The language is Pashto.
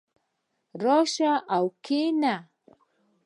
راشئ او کښېنئ